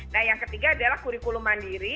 nah yang ketiga adalah kurikulum mandiri